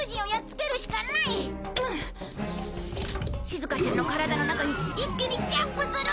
しずかちゃんの体の中に一気にジャンプする！